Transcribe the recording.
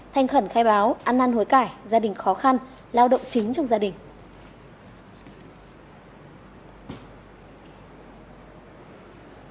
thanh khẩn khai báo ăn năn hối cải gia đình khó khăn lao động chính trong gia đình